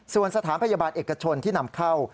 ส่วนสถานพยาบาลเอกชนที่นำเข้า